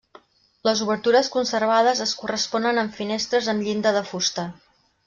Les obertures conservades es corresponen amb finestres amb llinda de fusta.